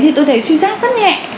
thì tôi thấy suy giáp rất nhẹ